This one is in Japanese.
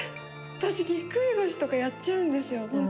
私ぎっくり腰とかやっちゃうんですよ。